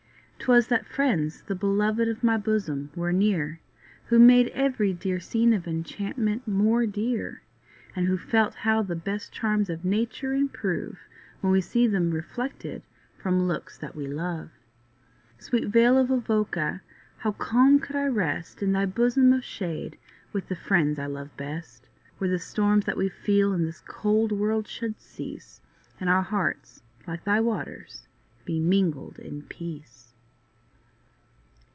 'Twas that friends, the beloved of my bosom, were near, Who made every dear scene of enchantment more dear, And who felt how the best charms of nature improve, When we see them reflected from looks that we love. Sweet vale of Avoca! how calm could I rest In thy bosom of shade, with the friends I love best, Where the storms that we feel in this cold world should cease, And our hearts, like thy waters, be mingled in peace.